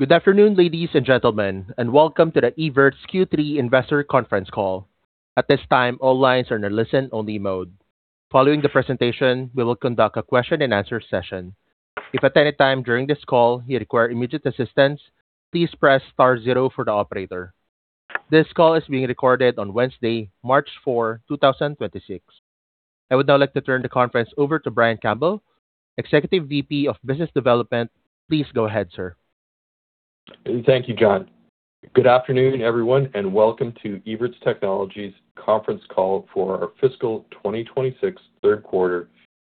Good afternoon, ladies and gentlemen, and welcome to the Evertz Q3 Investor Conference call. At this time, all lines are in a listen-only mode. Following the presentation, we will conduct a question-and-answer session. If at any time during this call you require immediate assistance, please press star zero for the operator. This call is being recorded on Wednesday, March 4, 2026. I would now like to turn the conference over to Brian Campbell, Executive VP of Business Development. Please go ahead, sir. Thank you, John. Good afternoon, everyone, and welcome to Evertz Technologies conference call for our fiscal 2026 third quarter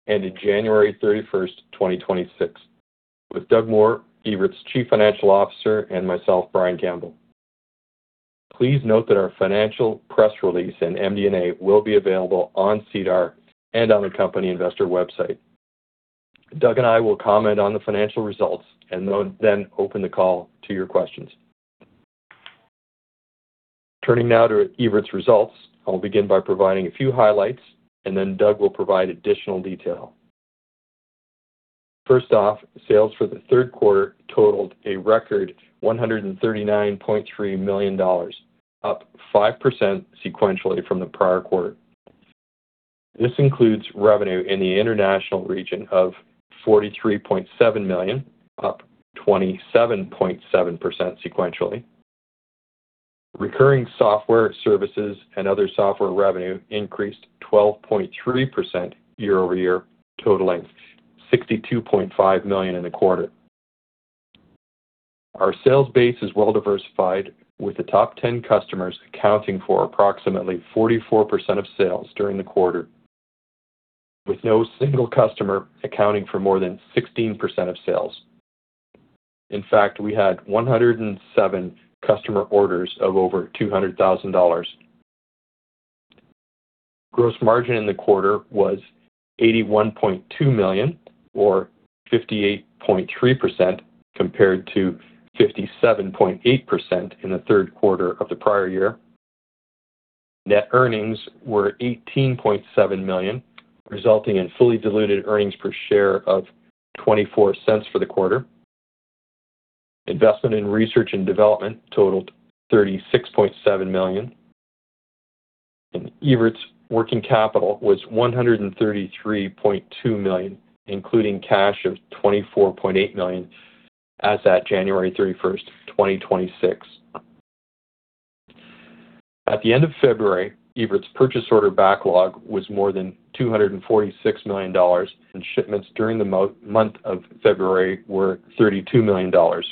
ended January 31, 2026, with Doug Moore, Evertz Chief Financial Officer, and myself, Brian Campbell. Please note that our financial press release and MD&A will be available on SEDAR and on the company investor website. Doug and I will comment on the financial results and then open the call to your questions. Turning now to Evertz results, I will begin by providing a few highlights, and then Doug will provide additional detail. First off, sales for the third quarter totaled a record 139.3 million dollars, up 5% sequentially from the prior quarter. This includes revenue in the international region of 43.7 million, up 27.7% sequentially. Recurring software services and other software revenue increased 12.3% year-over-year, totaling 62.5 million in the quarter. Our sales base is well diversified, with the top 10 customers accounting for approximately 44% of sales during the quarter, with no single customer accounting for more than 16% of sales. In fact, we had 107 customer orders of over 200,000 dollars. Gross margin in the quarter was 81.2 million or 58.3% compared to 57.8% in the third quarter of the prior year. Net earnings were CAD 18.7 million, resulting in fully diluted earnings per share of 0.24 for the quarter. Investment in research and development totaled CAD 36.7 million. Evertz working capital was CAD 133.2 million, including cash of CAD 24.8 million as at January 31, 2026. At the end of February, Evertz purchase order backlog was more than 246 million dollars, and shipments during the month of February were 32 million dollars.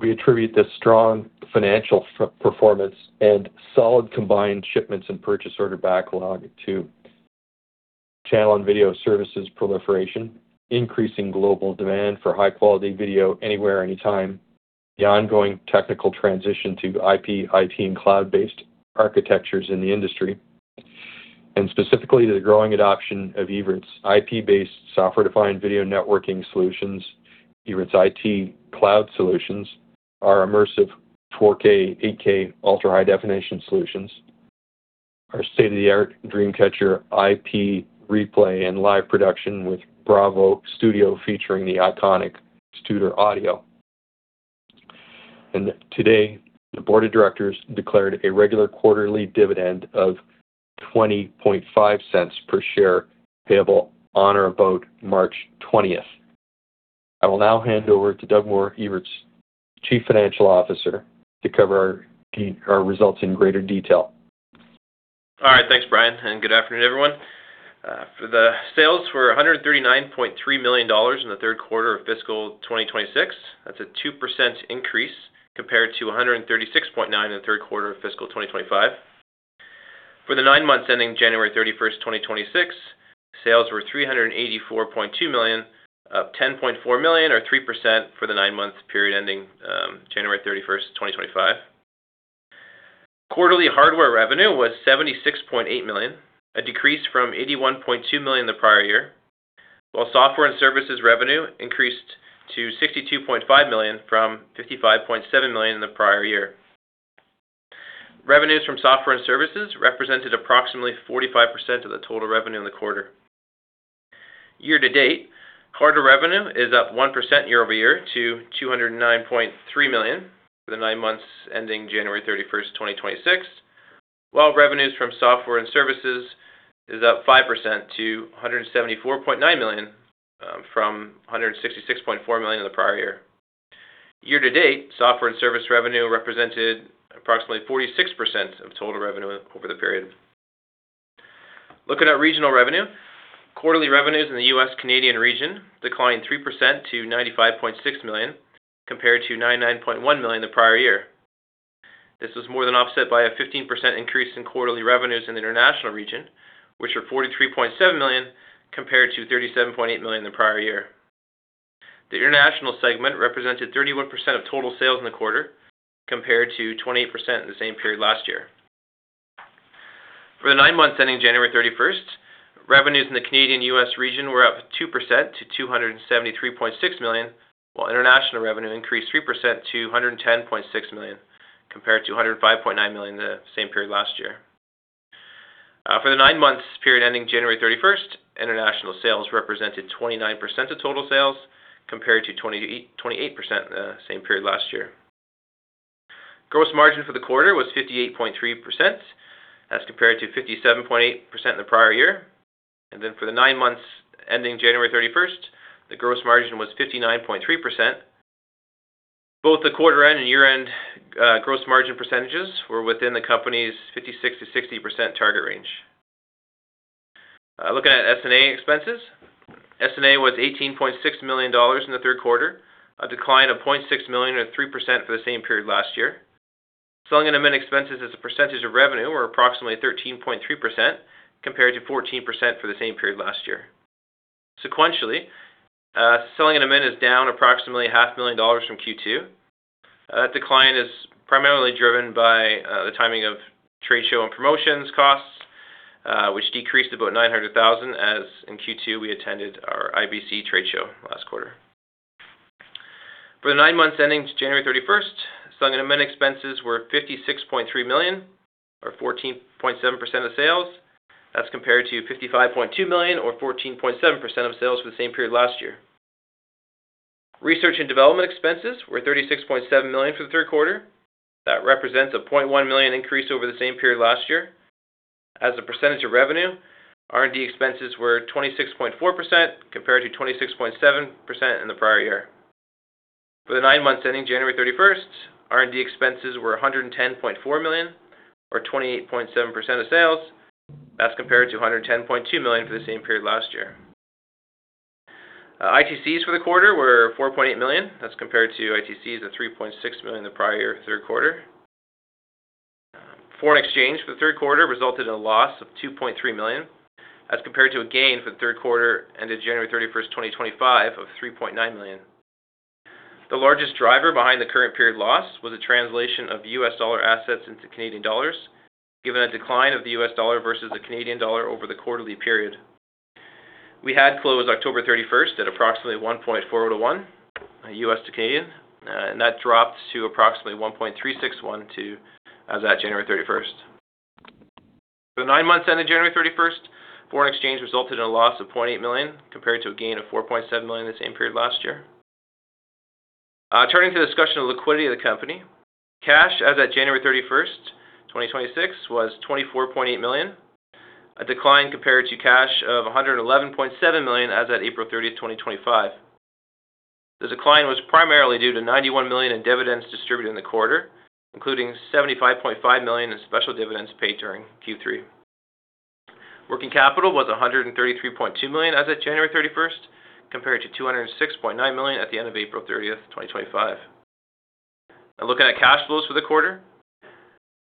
We attribute this strong financial performance and solid combined shipments and purchase order backlog to channel and video services proliferation, increasing global demand for high-quality video anywhere, anytime, the ongoing technical transition to IP, IT, and cloud-based architectures in the industry, and specifically the growing adoption of Evertz IP-based software-defined video networking solutions, Evertz IT cloud solutions, our immersive 4K, 8K Ultra-High Definition solutions, our state-of-the-art DreamCatcher IP replay and live production with BRAVO Studio featuring the iconic Studer audio. Today, the board of directors declared a regular quarterly dividend of 0.205 per share payable on or about March 20th. I will now hand over to Doug Moore, Evertz Chief Financial Officer, to cover our results in greater detail. All right. Thanks, Brian, and good afternoon, everyone. For the sales were 139.3 million dollars in the third quarter of fiscal 2026. That's a 2% increase compared to 136.9 million in the third quarter of fiscal 2025. For the nine months ending January 31, 2026, sales were 384.2 million, up 10.4 million or 3% for the nine-month period ending January 31, 2025. Quarterly hardware revenue was 76.8 million, a decrease from 81.2 million the prior year. While software and services revenue increased to 62.5 million from 55.7 million in the prior year. Revenues from software and services represented approximately 45% of the total revenue in the quarter. Year-to-date, hardware revenue is up 1% year-over-year to 209.3 million for the nine months ending January 31, 2026. While revenues from software and services is up 5% to 174.9 million, from 166.4 million in the prior year. Year-to-date, software and service revenue represented approximately 46% of total revenue over the period. Looking at regional revenue, quarterly revenues in the US. Canadian region declined 3% to 95.6 million compared to 99.1 million the prior year. This was more than offset by a 15% increase in quarterly revenues in the international region, which were 43.7 million compared to 37.8 million the prior year. The international segment represented 31% of total sales in the quarter compared to 28% in the same period last year. For the nine months ending January 31st, revenues in the Canadian US region were up 2% to 273.6 million, while international revenue increased 3% to 110.6 million compared to 105.9 million the same period last year. For the nine months period ending January 31st, international sales represented 29% of total sales compared to 28% the same period last year. Gross margin for the quarter was 58.3% as compared to 57.8% in the prior year. For the nine months ending January 31st, the gross margin was 59.3%. Both the quarter end and year-end, gross margin percentages were within the company's 56%-60% target range. Looking at S&A expenses. S&A was 18.6 million dollars in the third quarter, a decline of 0.6 million or 3% for the same period last year. Selling and admin expenses as a percentage of revenue were approximately 13.3% compared to 14% for the same period last year. Sequentially, selling and admin is down approximately 0.5 million dollars from Q2. That decline is primarily driven by the timing of trade show and promotions costs, which decreased about 900,000 as in Q2 we attended our IBC trade show last quarter. For the nine months ending January 31st, selling and admin expenses were 56.3 million or 14.7% of sales. That's compared to 55.2 million or 14.7% of sales for the same period last year. Research and development expenses were 36.7 million for the third quarter. That represents a 0.1 million increase over the same period last year. As a percentage of revenue, R&D expenses were 26.4% compared to 26.7% in the prior year. For the nine months ending January 31st, R&D expenses were 110.4 million or 28.7% of sales. That's compared to 110.2 million for the same period last year. ITCs for the quarter were 4.8 million. That's compared to ITCs of 3.6 million the prior year third quarter. Foreign exchange for the third quarter resulted in a loss of 2.3 million, as compared to a gain for the third quarter ended January 31st, 2025 of 3.9 million. The largest driver behind the current period loss was a translation of US dollar assets into Canadian dollars, given a decline of the US dollar versus the Canadian dollar over the quarterly period. We had closed October 31st at approximately 1.42:1 US to Canadian, and that dropped to approximately 1.3612 as at January 31st. For the nine months ending January 31st, foreign exchange resulted in a loss of 0.8 million compared to a gain of 4.7 million the same period last year. Turning to the discussion of liquidity of the company. Cash as at January 31, 2026 was 24.8 million, a decline compared to cash of 111.7 million as at April 30, 2025. The decline was primarily due to 91 million in dividends distributed in the quarter, including 75.5 million in special dividends paid during Q3. Working capital was 133.2 million as at January 31, compared to 206.9 million at the end of April 30, 2025. Looking at cash flows for the quarter.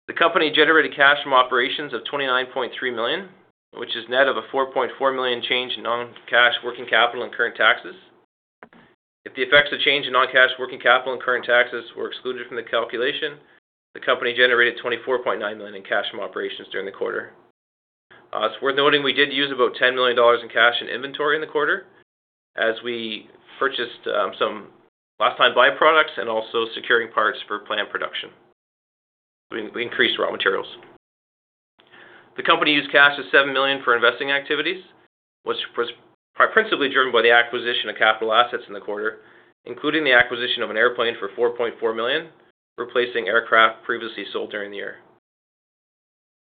The company generated cash from operations of 29.3 million, which is net of a 4.4 million change in non-cash working capital and current taxes. If the effects of change in non-cash working capital and current taxes were excluded from the calculation, the company generated 24.9 million in cash from operations during the quarter. It's worth noting we did use about 10 million dollars in cash and inventory in the quarter as we purchased some last-time byproducts and also securing parts for plant production. We increased raw materials. The company used cash of 7 million for investing activities, which was principally driven by the acquisition of capital assets in the quarter, including the acquisition of an airplane for 4.4 million, replacing aircraft previously sold during the year.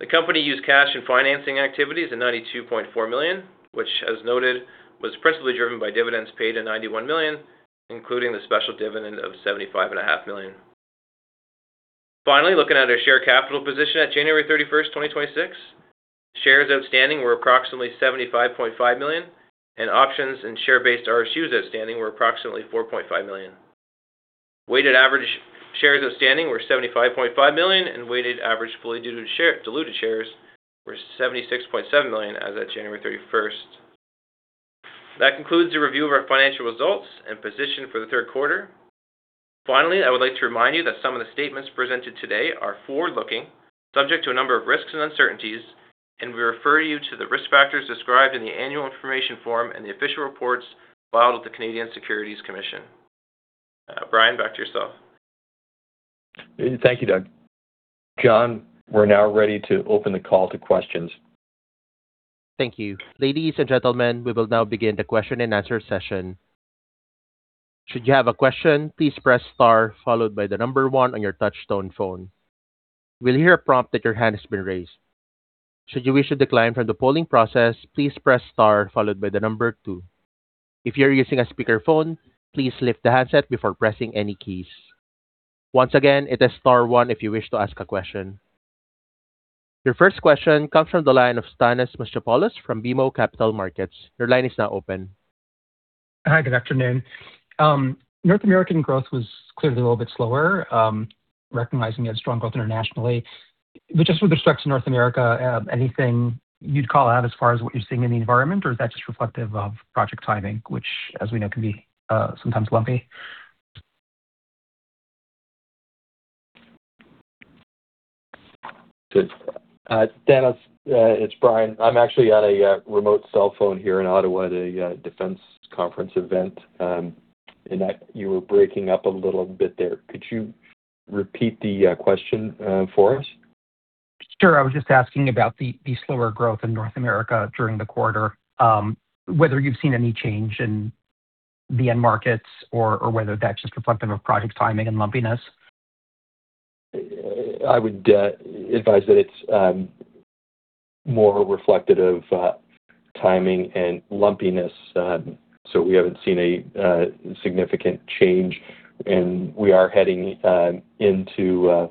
The company used cash in financing activities of 92.4 million, which, as noted, was principally driven by dividends paid of 91 million, including the special dividend of 75.5 million. Finally, looking at our share capital position at January 31, 2026. Shares outstanding were approximately 75.5 million, and options and share-based RSUs outstanding were approximately 4.5 million. Weighted average shares outstanding were 75.5 million, and weighted average fully diluted shares were 76.7 million as at January 31. That concludes the review of our financial results and position for the third quarter. Finally, I would like to remind you that some of the statements presented today are forward-looking, subject to a number of risks and uncertainties, we refer you to the risk factors described in the annual information form and the official reports filed with the Canadian Securities Administrators. Brian, back to yourself. Thank you, Doug. John, we're now ready to open the call to questions. Thank you. Ladies and gentlemen, we will now begin the question-and-answer session. Should you have a question, please press star followed by one on your touch tone phone. You will hear a prompt that your hand has been raised. Should you wish to decline from the polling process, please press star followed by two. If you're using a speakerphone, please lift the handset before pressing any keys. Once again, it is star one if you wish to ask a question. Your first question comes from the line of Thanos Moschopoulos from BMO Capital Markets. Your line is now open. Hi, good afternoon. North American growth was clearly a little bit slower, recognizing you had strong growth internationally. Just with respect to North America, anything you'd call out as far as what you're seeing in the environment? Is that just reflective of project timing, which, as we know, can be sometimes lumpy? Good. Thanos, it's Brian. I'm actually on a remote cell phone here in Ottawa at a defense conference event. You were breaking up a little bit there. Could you repeat the question for us? Sure. I was just asking about the slower growth in North America during the quarter, whether you've seen any change in the end markets or whether that's just reflective of project timing and lumpiness? I would advise that it's more reflective of timing and lumpiness. We haven't seen a significant change, and we are heading into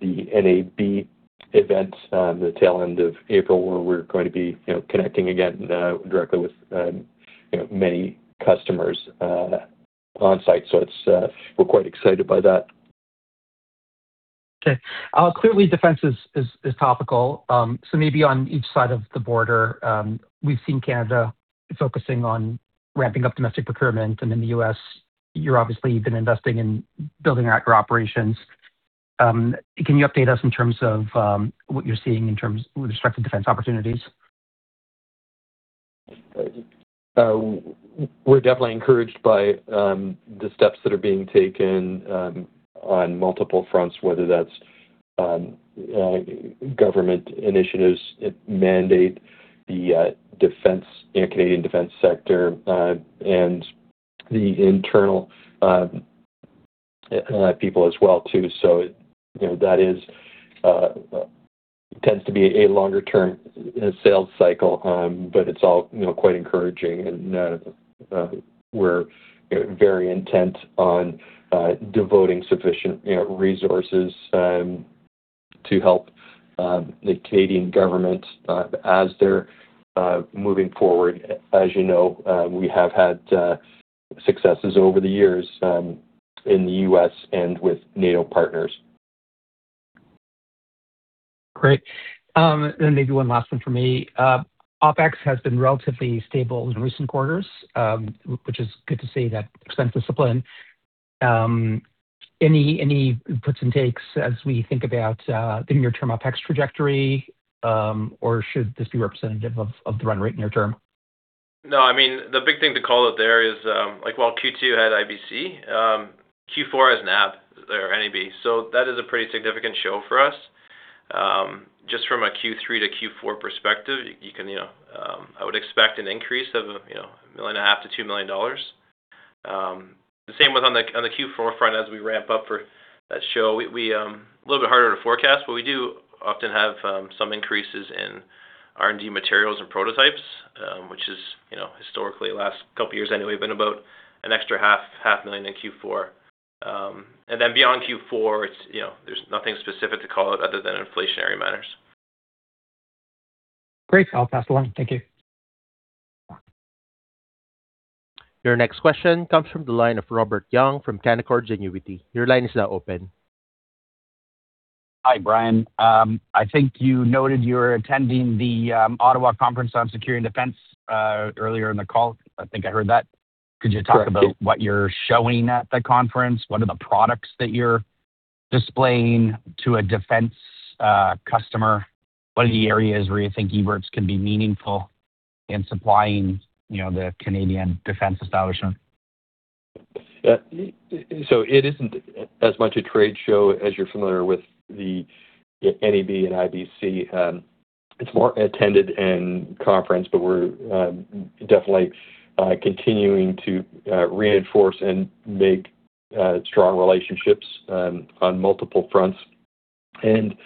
the NAB event on the tail end of April, where we're going to be, you know, connecting again directly with, you know, many customers on-site. It's. We're quite excited by that. Okay. Clearly, defense is topical. Maybe on each side of the border, we've seen Canada focusing on ramping up domestic procurement, in the US, you're obviously, you've been investing in building out your operations. Can you update us in terms of, what you're seeing with respect to defense opportunities? We're definitely encouraged by the steps that are being taken on multiple fronts, whether that's government initiatives that mandate the defense, you know, Canadian defense sector, and the internal people as well too. It, you know, that is tends to be a longer-term sales cycle, but it's all, you know, quite encouraging and we're very intent on devoting sufficient, you know, resources to help the Canadian government as they're moving forward. As you know, we have had successes over the years in the US and with NATO partners. Great. Maybe one last one for me. OpEx has been relatively stable in recent quarters, which is good to see that expense discipline. Any puts and takes as we think about the near-term OpEx trajectory, or should this be representative of the run rate near term? No, I mean, the big thing to call out there is, like, while Q2 had IBC, Q4 has NAB there, NAB. That is a pretty significant show for us. Just from a Q3 to Q4 perspective, you can, you know, I would expect an increase of, you know, a million and a half to 2 million dollars. The same with on the, on the Q4 front as we ramp up for that show. We, we, a little bit harder to forecast, but we do often have, some increases in R&D materials and prototypes, which is, you know, historically, last couple of years anyway, been about an extra half million in Q4. Then beyond Q4, it's, you know, there's nothing specific to call out other than inflationary matters. Great. I'll pass along. Thank you. Your next question comes from the line of Robert Young from Canaccord Genuity. Your line is now open. Hi, Brian. I think you noted you're attending the Ottawa Conference on Security and Defence earlier in the call. I think I heard that. Correct, yeah. Could you talk about what you're showing at the conference? What are the products that you're displaying to a defense customer? What are the areas where you think Evertz can be meaningful in supplying, you know, the Canadian defense establishment? It isn't as much a trade show as you're familiar with the NAB and IBC. It's more attended in conference, but we're definitely continuing to reinforce and make strong relationships on multiple fronts. It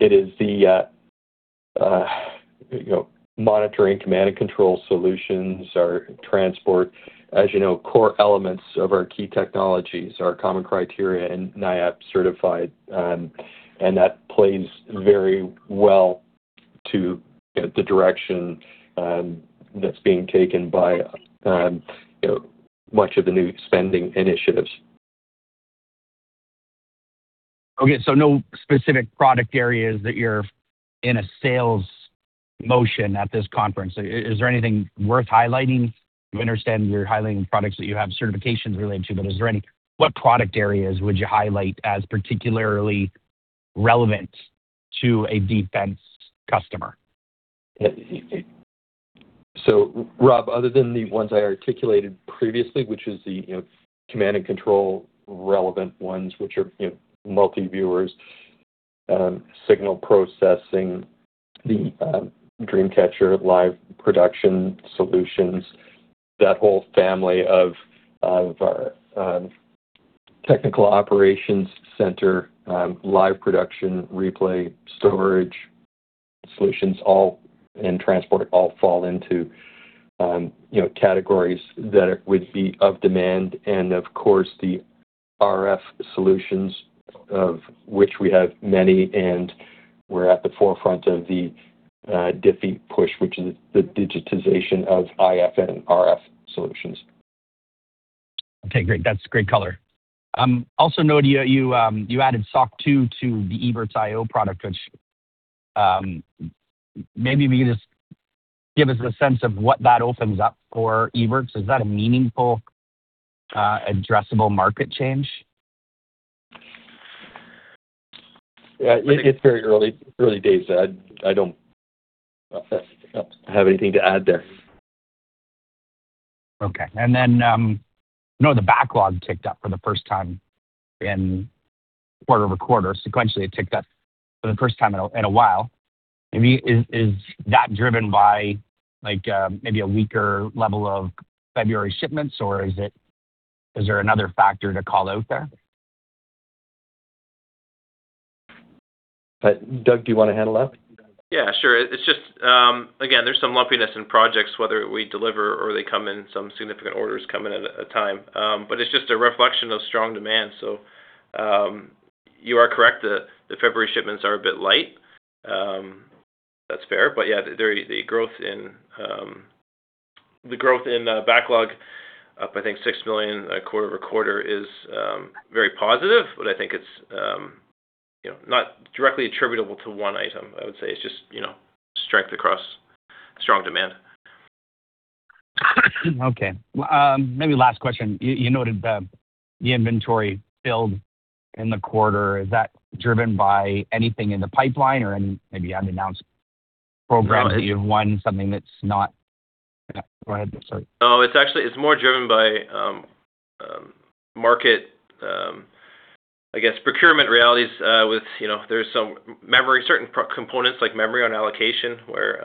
is the, you know, monitoring command and control solutions or transport. As you know, core elements of our key technologies are Common Criteria and NIAP certified, and that plays very well to, you know, the direction that's being taken by, you know, much of the new spending initiatives. No specific product areas that you're in a sales motion at this conference. Is there anything worth highlighting? I understand you're highlighting products that you have certifications related to, but what product areas would you highlight as particularly relevant to a defense customer? Rob, other than the ones I articulated previously, which is the, you know, command and control relevant ones, which are, you know, multi-viewers, signal processing, the DreamCatcher live production solutions, that whole family of technical operations center, live production, replay, storage solutions, all, and transport, all fall into, you know, categories that would be of demand and of course, the RF solutions of which we have many and we're at the forefront of the DIFI push, which is the digitization of IF RF solutions. Okay. Great. That's great color. Noted you added SOC 2 to the evertz.io product, which, maybe we could just give us a sense of what that opens up for Evertz. Is that a meaningful, addressable market change? Yeah, it's very early days. I don't have anything to add there. Okay. I know the backlog ticked up for the first time in quarter-over-quarter. Sequentially, it ticked up for the first time in a, in a while. Maybe is that driven by like, maybe a weaker level of February shipments, or is there another factor to call out there? Doug, do you wanna handle that? Yeah, sure. It's just, again, there's some lumpiness in projects, whether we deliver or they come in, some significant orders come in at a time. It's just a reflection of strong demand. You are correct. The February shipments are a bit light, that's fair. Yeah, the growth in backlog up, I think 6 million quarter-over-quarter is very positive. I think it's, you know, not directly attributable to one item. I would say it's just, you know, strength across strong demand. Okay. Maybe last question? You noted the inventory build in the quarter. Is that driven by anything in the pipeline or any maybe unannounced programs that you've won, something that's not? Yeah, go ahead. Sorry. No, it's actually, it's more driven by, market, I guess procurement realities, with, you know, there's some memory, certain components like memory on allocation where,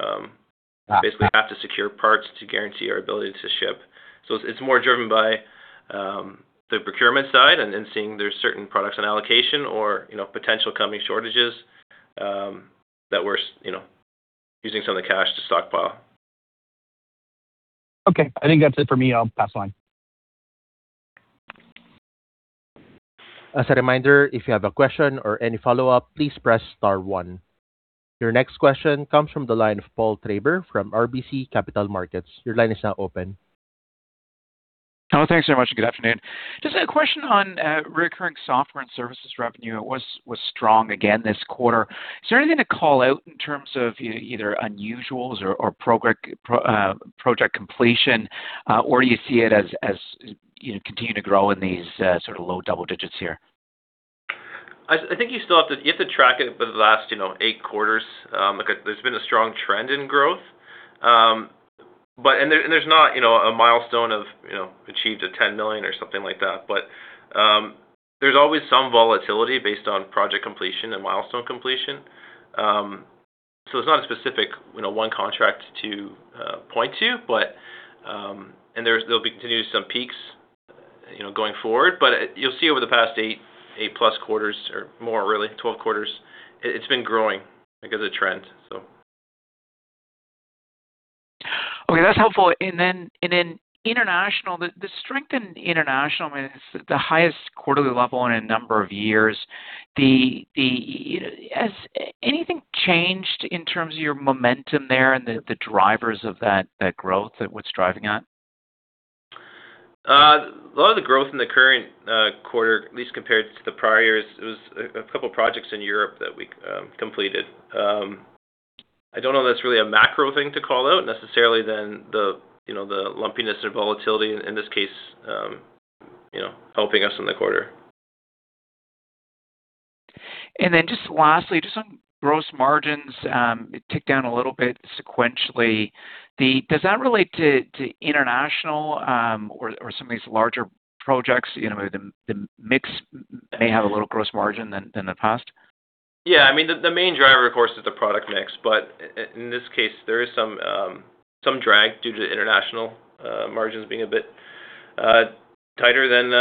basically have to secure parts to guarantee our ability to ship. It's more driven by, the procurement side and seeing there's certain products on allocation or, you know, potential coming shortages, that we're, you know, using some of the cash to stockpile. I think that's it for me. I'll pass the line. As a reminder, if you have a question or any follow-up, please press star one. Your next question comes from the line of Paul Treiber from RBC Capital Markets. Your line is now open. Thanks very much. Good afternoon. Just a question on recurring software and services revenue. It was strong again this quarter. Is there anything to call out in terms of either unusuals or project completion, or do you see it as, you know, continue to grow in these sort of low double digits here? I think you have to track it for the last, you know, eight quarters. Like, there's been a strong trend in growth. There's not, you know, a milestone of, you know, achieved a 10 million or something like that. There's always some volatility based on project completion and milestone completion. It's not a specific, you know, one contract to point to. There'll be continued some peaks, you know, going forward. You'll see over the past eight-plus quarters or more, really 12 quarters, it's been growing, like, as a trend. Okay, that's helpful. In international, the strength in international, I mean, it's the highest quarterly level in a number of years. Has anything changed in terms of your momentum there and the drivers of that growth and what's driving that? A lot of the growth in the current quarter, at least compared to the prior years, it was a couple of projects in Europe that we completed. I don't know if that's really a macro thing to call out necessarily than the, you know, the lumpiness or volatility in this case, you know, helping us in the quarter. just lastly, just on gross margins, it ticked down a little bit sequentially. Does that relate to international, or some of these larger projects? You know, maybe the mix may have a lower gross margin than the past. Yeah. I mean, the main driver, of course, is the product mix, but in this case, there is some drag due to international margins being a bit tighter than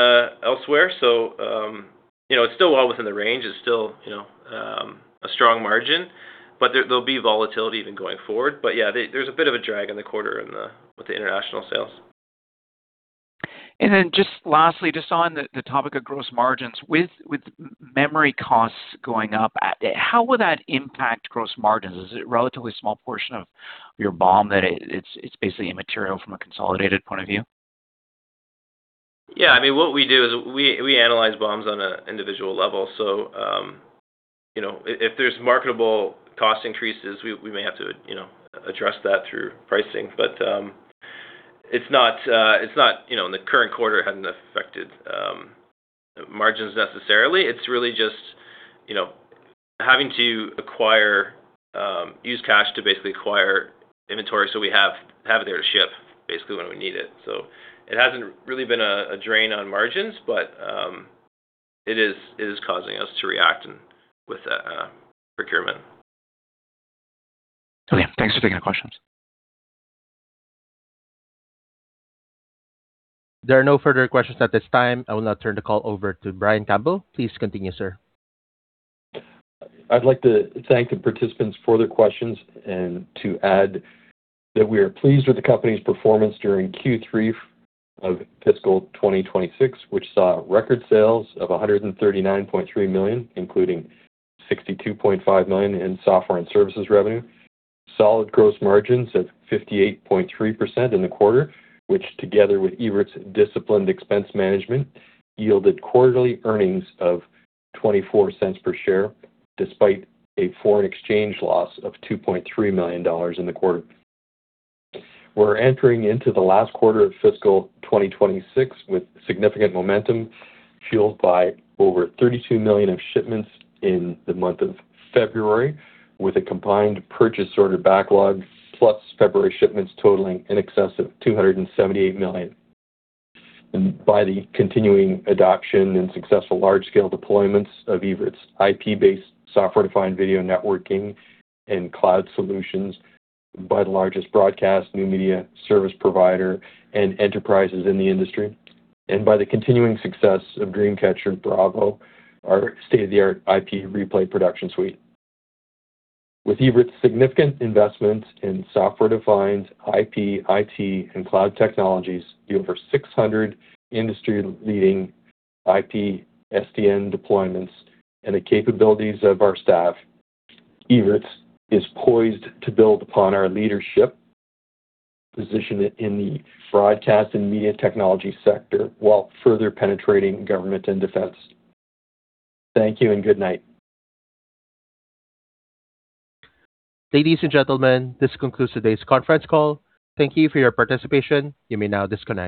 elsewhere. You know, it's still well within the range. It's still, you know, a strong margin, but there'll be volatility even going forward. Yeah, there's a bit of a drag in the quarter with the international sales. Just lastly, just on the topic of gross margins. With memory costs going up, how will that impact gross margins? Is it a relatively small portion of your BOM that it's basically immaterial from a consolidated point of view? Yeah. I mean, what we do is we analyze BOMs on an individual level. If there's marketable cost increases, we may have to, you know, address that through pricing. It's not, you know, in the current quarter, it hadn't affected margins necessarily. It's really just, you know, having to acquire, use cash to basically acquire inventory, so we have it there to ship basically when we need it. It hasn't really been a drain on margins, but it is causing us to react and with procurement. Okay. Thanks for taking the questions. There are no further questions at this time. I will now turn the call over to Brian Campbell. Please continue, sir. I'd like to thank the participants for their questions and to add that we are pleased with the company's performance during Q3 of fiscal 2026, which saw record sales of 139.3 million, including 62.5 million in software and services revenue, solid gross margins at 58.3% in the quarter, which together with Evertz' disciplined expense management, yielded quarterly earnings of 0.24 per share, despite a foreign exchange loss of 2.3 million dollars in the quarter. We're entering into the last quarter of fiscal 2026 with significant momentum, fueled by over 32 million of shipments in the month of February, with a combined purchase order backlog plus February shipments totaling in excess of 278 million, and by the continuing adoption and successful large-scale deployments of Evertz' IP-based software-defined video networking and cloud solutions by the largest broadcast new media service provider and enterprises in the industry, and by the continuing success of DreamCatcher BRAVO, our state-of-the-art IP replay production suite. With Evertz' significant investments in software-defined IP, IT, and cloud technologies, the over 600 industry-leading IP SDN deployments and the capabilities of our staff, Evertz is poised to build upon our leadership position in the broadcast and media technology sector while further penetrating government and defense. Thank you and good night. Ladies and gentlemen, this concludes today's conference call. Thank you for your participation. You may now disconnect.